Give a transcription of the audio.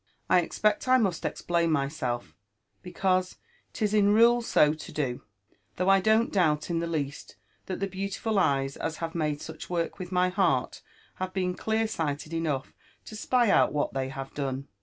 1 expect I must explain myself, because 'tis In rule so to do; though 1 don't doubt in the least that the beautiful eyes as have made such work with my heart have been clear sighted enough to spy out what they have done.